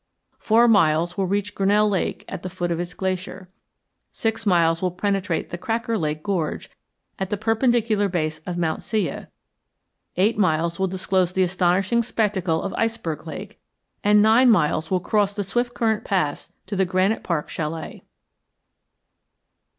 Four miles will reach Grinnell Lake at the foot of its glacier, six miles will penetrate the Cracker Lake Gorge at the perpendicular base of Mount Siyeh, eight miles will disclose the astonishing spectacle of Iceberg Lake, and nine miles will cross the Swiftcurrent Pass to the Granite Park Chalet.